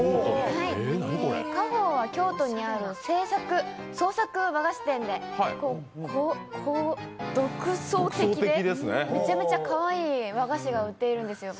果朋は京都にある創作和菓子店で、独創的でめちゃくちゃかわいい和菓子が売っているんです。